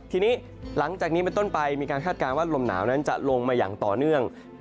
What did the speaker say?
ทีนี้หลังจากนี้เป็นต้นไปมีการคาดการณ์ว่าลมหนาวนั้นจะลงมาอย่างต่อเนื่อง